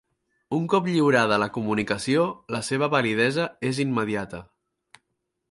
Un cop lliurada la comunicació, la seva validesa és immediata.